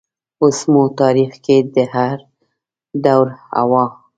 اوس مو تاریخ کې د هردور حوا